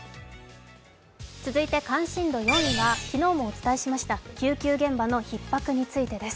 続いて関心度４位は、昨日もお伝えしました救急現場のひっ迫についてです。